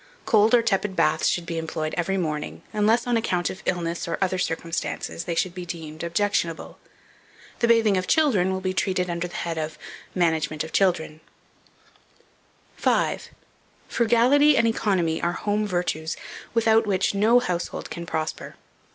Cold or tepid baths should be employed every morning, unless, on account of illness or other circumstances, they should be deemed objectionable. The bathing of children will be treated of under the head of "MANAGEMENT OF CHILDREN." 5. FRUGALITY AND ECONOMY ARE HOME VIRTUES, without which no household can prosper.